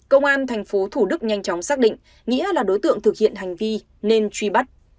công an tp thủ đức nhanh chóng xác định nghĩa là đối tượng thực hiện hành vi nên truy bắt